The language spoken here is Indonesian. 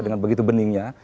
dengan begitu beningnya